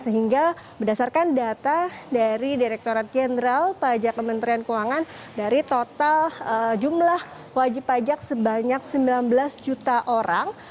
sehingga berdasarkan data dari direkturat jenderal pajak kementerian keuangan dari total jumlah wajib pajak sebanyak sembilan belas juta orang